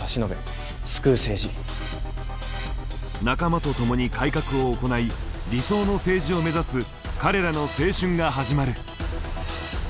仲間と共に改革を行い理想の政治を目指す彼らの青春が始まる。